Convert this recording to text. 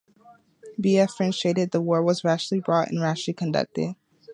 B. F. French stated 'The war was rashly brought and rashly conducted.